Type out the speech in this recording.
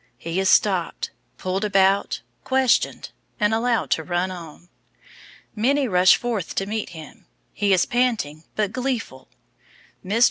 He is stopped, pulled about, questioned, and allowed to run on. Many rush forth to meet him. He is panting, but gleeful. Mr.